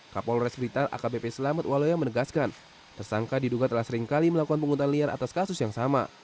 kapolres blitar akbp selamat waloya menegaskan tersangka diduga telah seringkali melakukan penghutang liar atas kasus yang sama